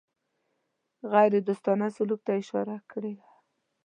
غیردوستانه سلوک ته اشاره کړې وه.